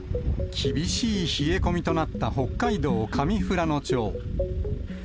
厳しい冷え込みとなった北海道上富良野町。